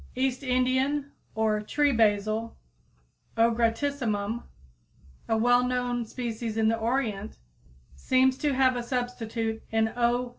East Indian, or Tree Basil (O. gratissimum, Linn.), a well known species in the Orient, seems to have a substitute in _O.